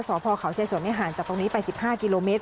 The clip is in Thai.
สคชัยสนเนี่ยห่านจากตรงนี้ไป๑๕กิโลเมตร